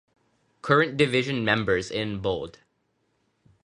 "Current division members in bold"